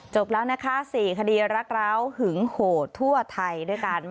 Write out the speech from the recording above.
จบแล้วนะคะ๔คดีรักร้าวหึงโหดทั่วไทยด้วยกัน